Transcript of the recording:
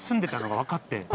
分かって。